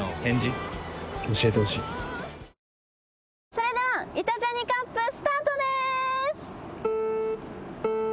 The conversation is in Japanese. それではイタ×ジャニカップスタートです。